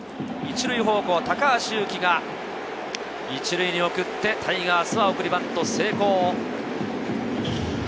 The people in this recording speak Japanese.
１塁方向は高橋優貴が１塁に送って、タイガースは送りバント成功。